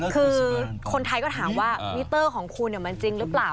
คือคนไทยก็ถามว่ามิเตอร์ของคุณมันจริงหรือเปล่า